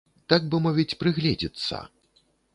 Так бы мовіць, прыгледзіцца.